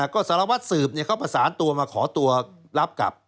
ก็สารวัตรสืบเขาประสานตัวมาขอตัวรับกลับ